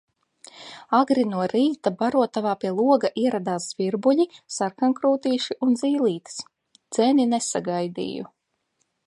Agri no rīta barotavā pie loga ieradās zvirbuļi, sarkankrūtīši un zīlītes, dzeni nesagaidīju.